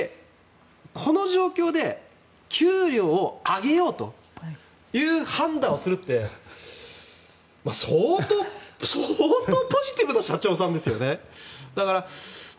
この状況で給料を上げようという判断をするって相当ポジティブな社長さんですよね。